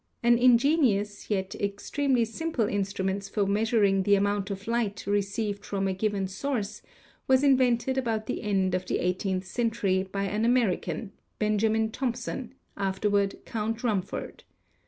An ingenious yet extremely simple instrument for meas uring the amount of light received from a given source was invented about the end of the eighteenth century by an American, Benjamin Thompson, afterward Count Rumford.